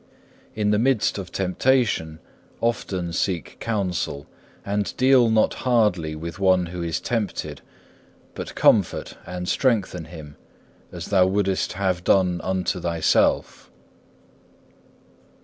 In the midst of temptation often seek counsel; and deal not hardly with one who is tempted, but comfort and strengthen him as thou wouldest have done unto thyself.